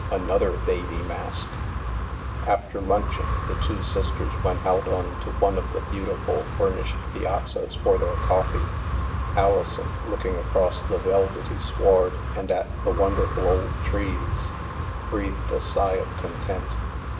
(Another baby mask!) After luncheon, the two sisters went out on to one of the beautiful furnished piazzas for their coffee. Alison, looking across the velvety sward and at the wonderful old trees, breathed a sigh of content.